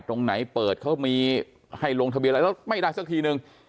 ตรงไหนเปิดเขามีให้ลงทะเบียนอะไรแล้วไม่ได้สักทีนึง